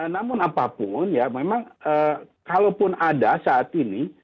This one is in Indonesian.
namun apapun ya memang kalaupun ada saat ini